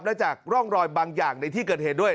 และจากร่องรอยบางอย่างในที่เกิดเหตุด้วย